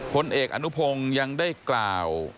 ผลเอกอนุพงศ์ยังได้กล่าว